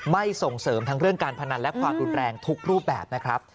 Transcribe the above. ส่งเสริมทั้งเรื่องการพนันและความรุนแรงทุกรูปแบบนะครับ